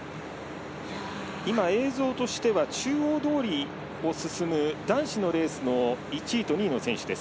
映像としては中央通りを進む男子のレースの１位と２位の選手。